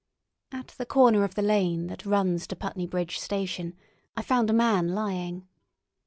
At the corner of the lane that runs to Putney Bridge station I found a man lying.